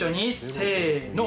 せの。